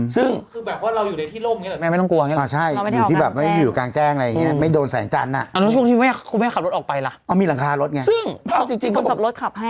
คือแบบว่าเราอยู่ในที่ร่มเนี่ยแหละไม่ต้องกลัวใช่อยู่ที่แบบไม่อยู่กลางแจ้งอะไรอย่างนี้ไม่โดนแสงจันทร์น่ะอันนั้นช่วงที่คุณแม่ขับรถออกไปล่ะมีหลังคารถไงคนขับรถขับให้